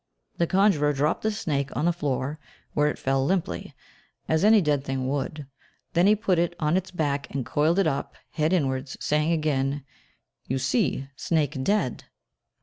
The conjurer dropped the snake on the floor, where it fell limply, as any dead thing would, then he put it on its back and coiled it up, head inwards, saying again, "You see, snake dead."